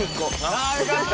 あぁよかった。